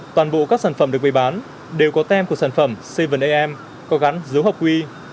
toàn bộ các sản phẩm được bày bán đều có tem của sản phẩm sevan am có gắn dấu học quy